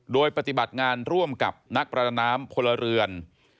โดยปฏิบัติงานร่วมกับนักประดาน้ำพลเรือน